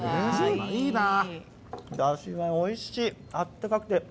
だしがおいしい、温かくて。